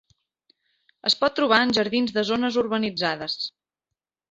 Es pot trobar en jardins de zones urbanitzades.